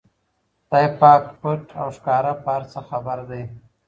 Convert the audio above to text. خدای پاک پټ او ښکاره په هر څه خبر دی.